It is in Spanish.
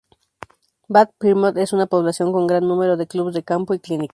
Bad Pyrmont es una población con gran número de clubs de campo y clínicas.